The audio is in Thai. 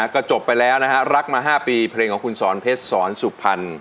ก็จบไปแล้วนะฮะรักมา๕ปีเพลงของคุณสอนเพชรสอนสุพรรณ